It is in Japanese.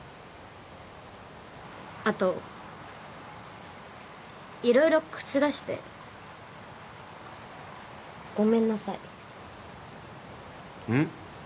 あと色々口だしてごめんなさいうん？